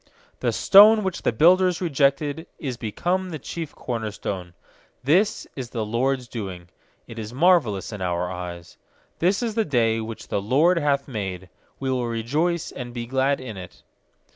stone which the builders re jected Is become the chief corner stone. is the LORD'S doing; It is marvellous in our eyes. 24This is the day which the LORD hath made; We will rejoice and be glad in it.